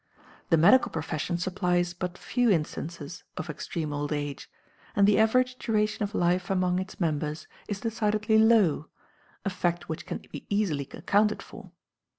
The medical profession supplies but few instances of extreme old age, and the average duration of life among its members is decidedly low, a fact which can be easily accounted for.